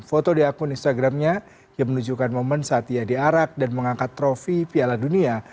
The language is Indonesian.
foto di akun instagramnya yang menunjukkan momen saat ia diarak dan mengangkat trofi piala dunia